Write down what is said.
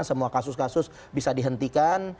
semua kasus kasus bisa dihentikan